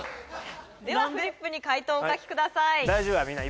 ではフリップに解答をお書きください